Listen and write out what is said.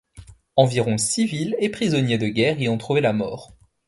Environ civils et prisonniers de guerre y ont trouvé la mort.